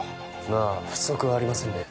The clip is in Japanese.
まあ不足はありませんね。